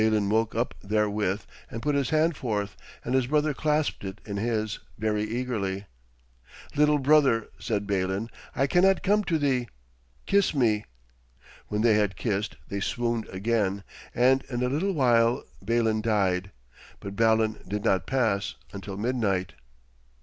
Balin woke up therewith, and put his hand forth, and his brother clasped it in his, very eagerly. 'Little brother,' said Balin, 'I cannot come to thee kiss me!' When they had kissed, they swooned again, and in a little while Balin died, but Balan did not pass until midnight.